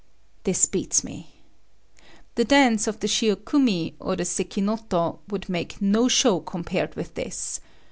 This beats me! The dance of the Shiokumi or the Sekinoto would make no show compared with this!